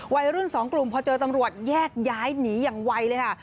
วัยรุ่นสองกลุ่มพอเจอตำรวจแยกย้ายหนีอย่างไวเลยค่ะ